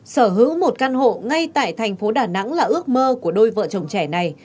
sở hữu một căn hộ ngay tại thành phố đà nẵng là ước mơ của đôi vợ chồng trẻ này